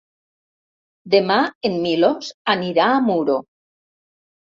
Demà en Milos anirà a Muro.